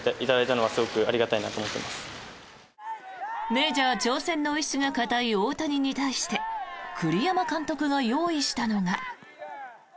メジャー挑戦の意志が固い大谷に対して栗山監督が用意したのが。